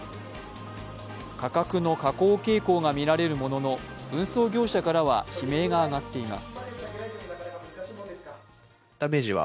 価格の下降傾向がみられるものの運送業者からは悲鳴が上がっています。